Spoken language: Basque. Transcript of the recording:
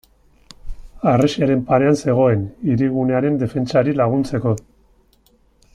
Harresiaren parean zegoen, hirigunearen defentsari laguntzeko.